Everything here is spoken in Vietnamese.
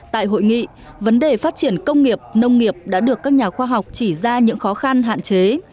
tại hội nghị vấn đề phát triển công nghiệp nông nghiệp đã được các nhà khoa học chỉ ra những khó khăn hạn chế